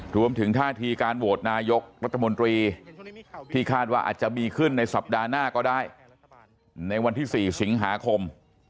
รวมถึงท่าทีการโหวตนายกรัฐมนตรีที่คาดว่าอาจจะมีขึ้นในสัปดาห์หน้าก็ได้ในวันที่๔สิงหาคม